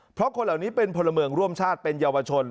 เพราะคนเหล่านี้เป็นพลเมืองร่วมชาติเป็นเยาวชน